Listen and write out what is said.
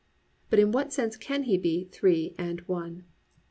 But in what sense can He be one and three?